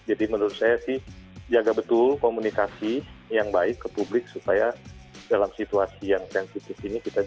jadi menurut saya sih jaga betul komunikasi yang baik ke publik supaya dalam situasi yang sensitif ini kita bisa melaluinya dengan baik